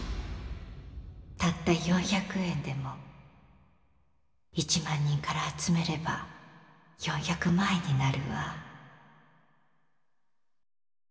たった４００円でも１万人から集めれば４００万円になるわ。